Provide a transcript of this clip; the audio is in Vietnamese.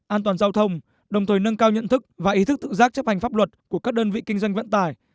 an toàn giao thông đồng thời nâng cao nhận thức và ý thức tự giác chấp hành pháp luật của các đơn vị kinh doanh vận tải